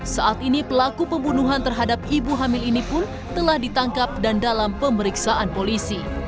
saat ini pelaku pembunuhan terhadap ibu hamil ini pun telah ditangkap dan dalam pemeriksaan polisi